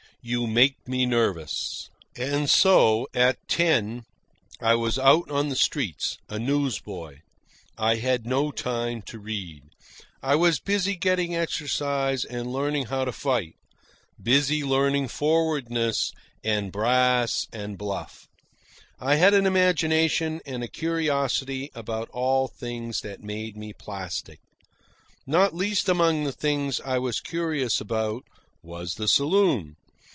You make me nervous." And so, at ten, I was out on the streets, a newsboy. I had no time to read. I was busy getting exercise and learning how to fight, busy learning forwardness, and brass and bluff. I had an imagination and a curiosity about all things that made me plastic. Not least among the things I was curious about was the saloon.